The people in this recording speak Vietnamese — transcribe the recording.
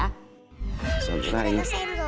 bác có xem rồi ạ